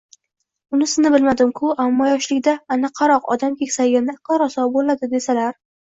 unisini bilmadim-ku, ammo yoshligida “annaqaroq” odam keksayganda aqli raso bo’ladi, desalar...